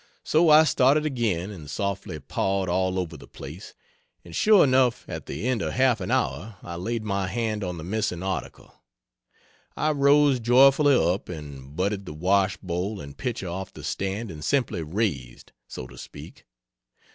So I started again and softly pawed all over the place, and sure enough at the end of half an hour I laid my hand on the missing article. I rose joyfully up and butted the wash bowl and pitcher off the stand and simply raised so to speak.